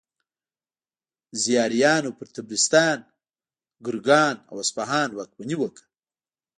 زیاریانو پر طبرستان، ګرګان او اصفهان واکمني وکړه.